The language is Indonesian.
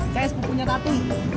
saya sepupunya tati